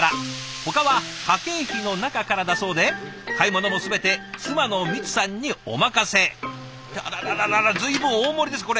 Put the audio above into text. ほかは家計費の中からだそうで買い物も全て妻の美津さんにお任せ。ってあららら随分大盛りですこれ。